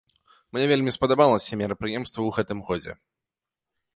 Мне вельмі спадабалася мерапрыемства ў гэтым годзе.